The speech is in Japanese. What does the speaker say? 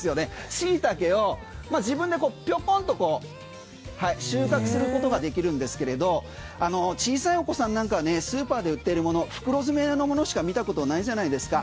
シイタケを自分でぴょこんと収穫することができるんですけど小さいお子さんなんかはスーパーで売ってるもの袋詰めのものしか見たことないじゃないですか。